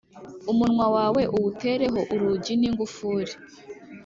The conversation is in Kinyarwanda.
umunwa wawe uwutereho urugi n’ingufuri.